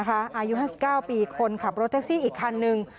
อายุ๕๙ปีคนขับรถแท็กซี่อีกคันนึง